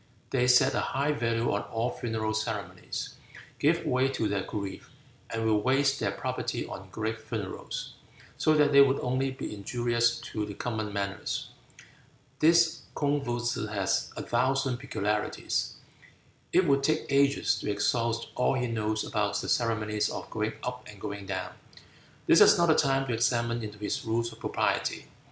They set a high value on all funeral ceremonies, give way to their grief, and will waste their property on great funerals, so that they would only be injurious to the common manners. This Kung Footsze has a thousand peculiarities. It would take ages to exhaust all he knows about the ceremonies of going up and going down. This is not the time to examine into his rules of propriety.